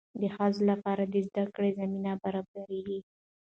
د ښځو لپاره د زده کړې زمینه برابریږي.